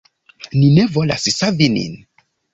Ni ne volas savi nin.